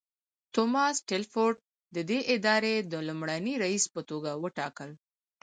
توماس ټیلفورډ ددې ادارې د لومړني رییس په توګه وټاکل.